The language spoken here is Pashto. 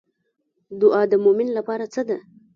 دعا د مومن لپاره څه ده؟